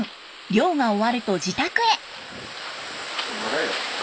漁が終わると自宅へ。